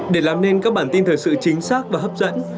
để làm nên các bản tin thời sự chính xác và hấp dẫn